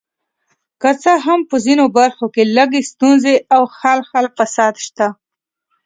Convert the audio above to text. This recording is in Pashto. که څه هم په ځینو برخو کې لږې ستونزې او خال خال فساد شته.